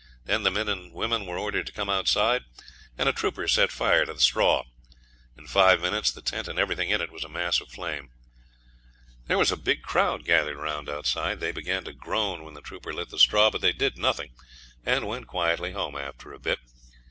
Then the men and women were ordered to come outside, and a trooper set fire to the straw. In five minutes the tent and everything in it was a mass of flame. There was a big crowd gathered round outside. They began to groan when the trooper lit the straw, but they did nothing, and went quietly home after a bit.